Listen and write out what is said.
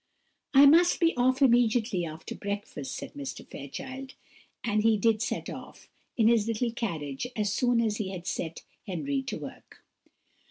"I must be off immediately after breakfast," said Mr. Fairchild; and he did set off, in his little carriage, as soon as he had set Henry to work.